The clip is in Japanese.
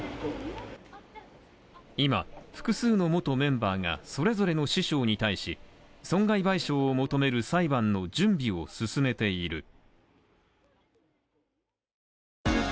今、複数の元メンバーがそれぞれの師匠に対し、損害賠償を求める裁判の準備を進めている。